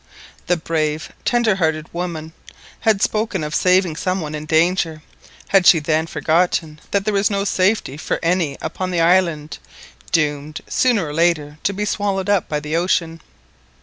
The brave, tender hearted woman, had spoken of saving some one in danger; had she then forgotten that there was no safety for any upon the island, doomed sooner or later to be swallowed up by the ocean?